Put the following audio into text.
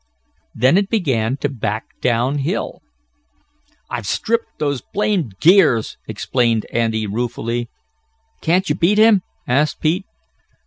Then it began to back down hill. "I've stripped those blamed gears!" exclaimed Andy ruefully. "Can't you beat him?" asked Pete.